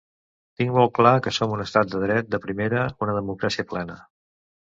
Tinc molt clar que som un estat de dret de primera, una democràcia plena.